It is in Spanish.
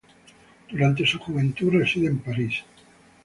Durante su juventud, reside en París.